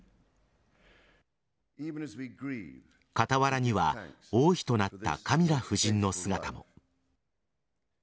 傍らには王妃となったカミラ夫人の姿も。